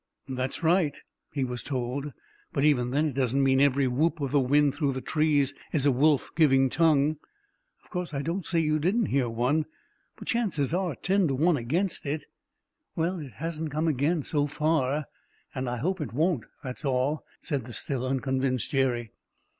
"That's right," he was told; "but even then it doesn't mean every whoop of the wind through the trees is a wolf giving tongue. Of course, I don't say you didn't hear one, but chances are ten to one against it." "Well, it hasn't come again, so far, and I hope it won't, that's all," said the still unconvinced Jerry.